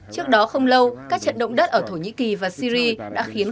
trước đó không lâu các trận động đất ở thổ nhĩ kỳ và syri đã khiến